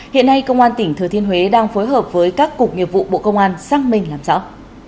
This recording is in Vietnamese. hiện nay công an tỉnh thừa thiên huế đang phối hợp với các cục nghiệp vụ bộ công an xác minh làm rõ